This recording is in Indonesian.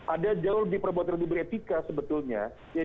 ada jauh di perbuatan lebih beretika sebetulnya